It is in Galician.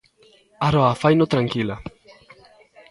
Aroa faino tranquila.